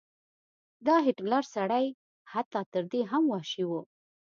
دا هټلر سړی حتی تر دې هم وحشي و.